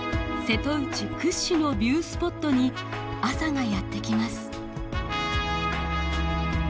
瀬戸内屈指のビュースポットに朝がやって来ます。